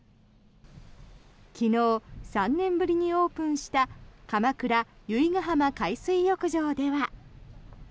昨日、３年ぶりにオープンした鎌倉・由比ガ浜海水浴場では。